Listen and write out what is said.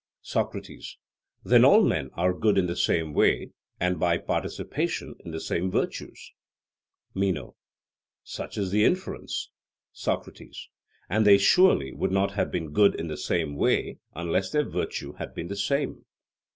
SOCRATES: Then all men are good in the same way, and by participation in the same virtues? MENO: Such is the inference. SOCRATES: And they surely would not have been good in the same way, unless their virtue had been the same?